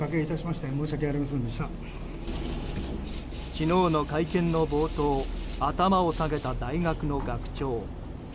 昨日の会見の冒頭頭を下げた大学の学長。